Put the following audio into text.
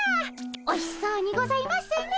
おいしそうにございますね。